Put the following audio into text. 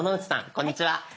こんにちは。